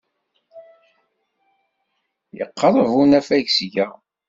Yeqreb unafag seg-a.